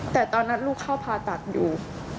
แต่ตอนนั้นลูกเข้าภาษาจังงานอยู่